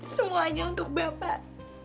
semuanya untuk bapak